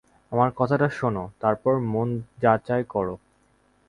আমার কথাটা শোনো, তারপর মন যা চায় করো।